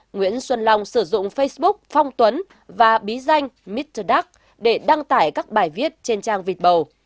nguyễn xuân long sử dụng facebook phong tuấn và bí danh metterdat để đăng tải các bài viết trên trang vịt bầu